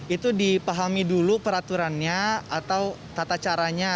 itu dipahami dulu peraturannya atau tata caranya